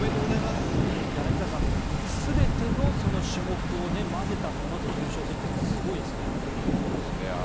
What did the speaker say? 柳澤さん、全ての種目を混ぜたもので優勝するってすごいですね。